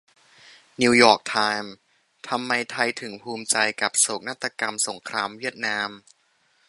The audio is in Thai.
นิวยอร์กไทม์ : ทำไมไทยถึงภูมิใจกับโศกนาฏกรรมสงครามเวียดนาม